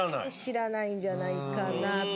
知らないんじゃないかなと。